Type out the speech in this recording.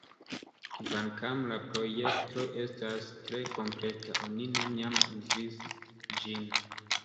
Kvankam la projekto estas tre kompleta, oni neniam uzis ĝin.